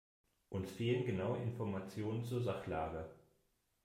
Uns fehlen genaue Informationen zur Sachlage.